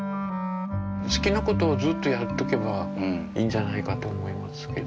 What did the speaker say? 好きなことをずっとやっとけばいいんじゃないかと思いますけど。